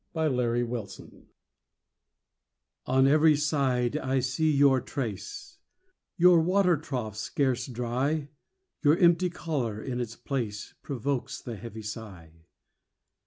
TO A DOG On every side I see your trace; Your water trough's scarce dry; Your empty collar in its place Provokes the heavy sigh.